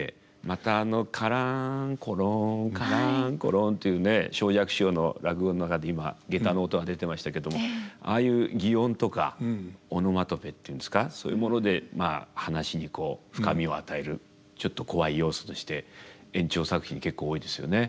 またあの「カランコロンカランコロン」というね正雀師匠の落語の中で今下駄の音が出てましたけどああいう擬音とかオノマトペっていうんですかそういうものでまあ噺にこう深みを与えるちょっとコワい要素として圓朝作品結構多いですよね。